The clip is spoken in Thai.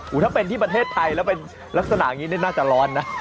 ถ้าเป็นที่ประเทศไทยแล้วเป็นลักษณะอย่างนี้น่าจะร้อนนะ